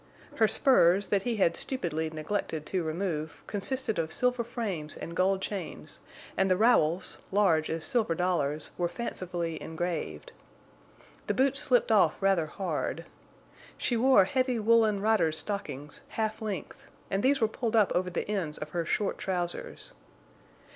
Her spurs, that he had stupidly neglected to remove, consisted of silver frames and gold chains, and the rowels, large as silver dollars, were fancifully engraved. The boots slipped off rather hard. She wore heavy woollen rider's stockings, half length, and these were pulled up over the ends of her short trousers.